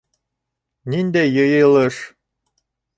Ниндәй йыйылыш?